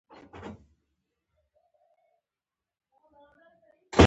سفر وکړ.